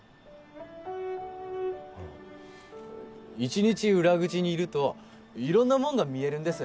一日裏口にいると色んなもんが見えるんです